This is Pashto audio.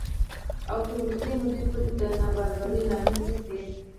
او تر اوږدې مودې پورې د نابرابرۍ لامل نه شي